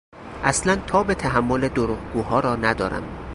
اصلا تاب تحمل دروغگوها را ندارم.